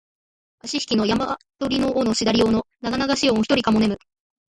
あしひきの山鳥の尾のしだり尾のながながし夜をひとりかも寝む